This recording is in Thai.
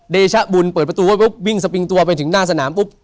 เดชะบุญเปิดประตูไว้ปุ๊บวิ่งสปิงตัวไปถึงหน้าสนามปุ๊บ